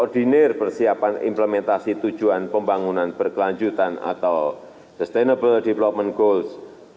dan bersiapkan implementasi tujuan pembangunan berkelanjutan atau sustainable development goals dua ribu tiga puluh